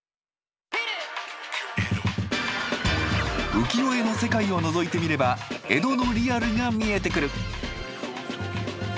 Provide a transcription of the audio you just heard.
浮世絵の世界をのぞいてみれば江戸のリアルが見えてくる。